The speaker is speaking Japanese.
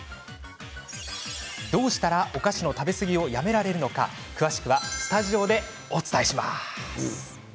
どうしたらお菓子の食べ過ぎをやめられるのか詳しくはスタジオでお伝えします。